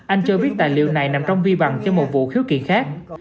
anh cho biết tài liệu này nằm trong vi bằng cho một vụ khiếu kiện khác